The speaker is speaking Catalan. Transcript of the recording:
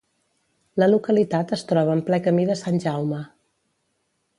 La localitat es troba en ple Camí de Sant Jaume.